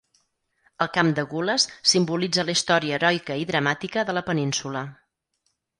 El camp de gules simbolitza la història heroica i dramàtica de la península.